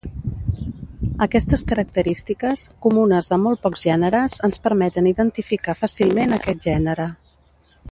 Aquestes característiques, comunes a molt pocs gèneres, ens permeten identificar fàcilment aquest gènere.